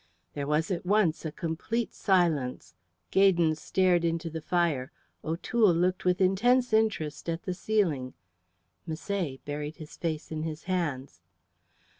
There was at once a complete silence. Gaydon stared into the fire, O'Toole looked with intense interest at the ceiling, Misset buried his face in his hands.